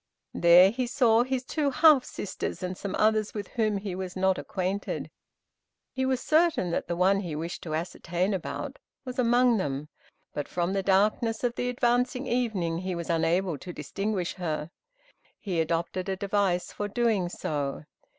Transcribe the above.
There he saw his two half sisters and some others with whom he was not acquainted. He was certain that the one he wished to ascertain about was among them, but from the darkness of the advancing evening he was unable to distinguish her. He adopted a device for doing so.